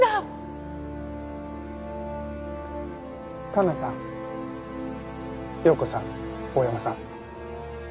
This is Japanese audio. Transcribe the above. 環奈さん容子さん大山さん。